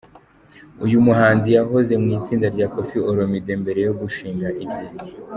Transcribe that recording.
Uyu muhanzi yahoze mu itsinda rya Kofi Olomide mbere yo gushing irye.